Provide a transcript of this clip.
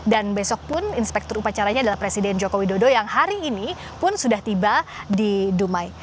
dan besok pun inspektur upacaranya adalah presiden joko widodo yang hari ini pun sudah tiba di dumai